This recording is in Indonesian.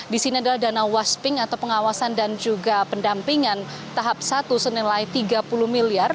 di sini adalah dana wasping atau pengawasan dan juga pendampingan tahap satu senilai tiga puluh miliar